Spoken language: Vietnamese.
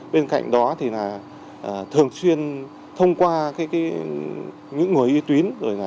bên cạnh đó thường xuyên thông qua những người uy tín